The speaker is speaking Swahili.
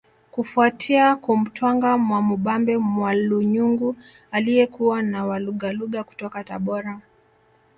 Kufuatia kumtwanga Mwamubambe Mwalunyungu aliyekuwa na walugaluga kutoka Tabora